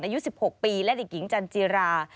อายุ๑๖ปีและเด็กหญิงจันจิรา